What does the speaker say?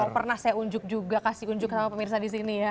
pernah saya unjuk juga kasih unjuk sama pemirsa di sini ya